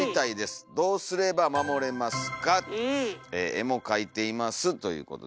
「絵も描いています」ということで。